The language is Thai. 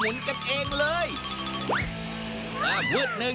โอ้โฮพิษทางขนาดนี้ก็หาบอลไม่เจอหรอกครับพระคุณ